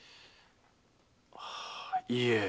いえ。